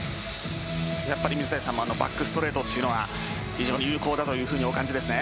水谷さんもバックストレートというのは非常に有効だとお感じですね。